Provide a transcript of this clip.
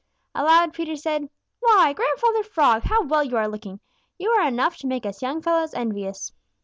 Aloud, Peter said: "Why, Grandfather Frog, how well you are looking! You are enough to make us young fellows envious."